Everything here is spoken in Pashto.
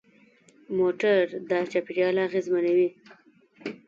موټر د چاپېریال اغېزمنوي.